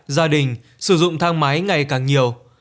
gia đình sử dụng thang máy ngày càng nhiều